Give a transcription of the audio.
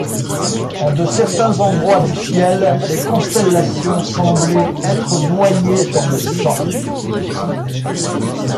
En de certains endroits du ciel, les constellations semblaient être noyées dans le sang.